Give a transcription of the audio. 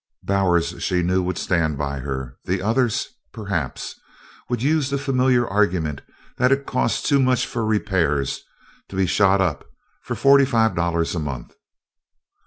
Bowers, she knew, would stand by her; the others, perhaps, would use the familiar argument that it cost too much for repairs to be shot up for forty five dollars a month.